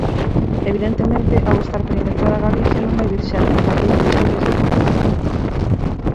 Evidentemente ao estar perimetrada Galicia non vai vir xente de Madrid, Asturias ou Portugal.